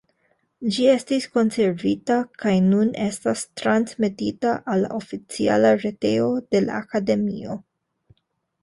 Ĝi estis konservita kaj nun estas transmetita al la oficiala retejo de la Akademio.